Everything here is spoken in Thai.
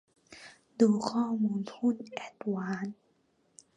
ดูข้อมูลหุ้นแอดวานซ์